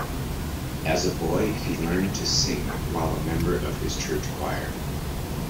As a boy, he learned to sing while a member of his church choir.